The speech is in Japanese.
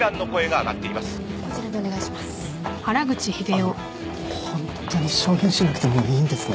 あのホントに証言しなくてもいいんですね？